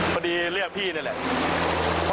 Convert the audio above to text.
เรียกพี่นี่แหละ